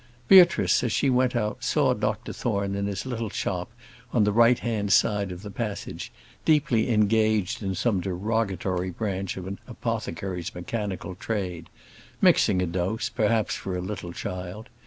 Beatrice, as she went out, saw Dr Thorne in his little shop on the right hand side of the passage, deeply engaged in some derogatory branch of an apothecary's mechanical trade; mixing a dose, perhaps, for a little child.